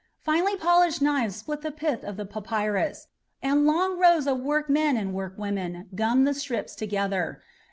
Finely polished knives split the pith of the papyrus, and long rows of workmen and workwomen gum the strips together.